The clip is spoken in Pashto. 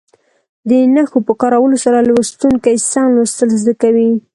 د نښو په کارولو سره لوستونکي سم لوستل زده کوي.